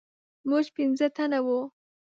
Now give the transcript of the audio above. موږ پنځه تنه وو.